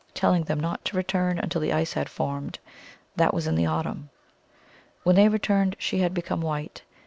telling them not to return until the ice had formed ; that was in the autumn. When they returned she had become white.